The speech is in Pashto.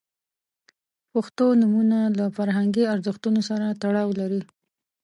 • پښتو نومونه له فرهنګي ارزښتونو سره تړاو لري.